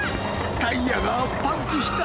タイヤがパンクした！